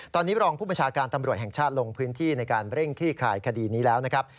ตอนนี้รองผู้บัญชาการตำรวจแห่งชาติลงพื้นที่ในการเร่งคลี่คลายคดีนี้แล้วนะครับ